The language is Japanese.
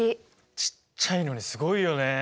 ちっちゃいのにすごいよね！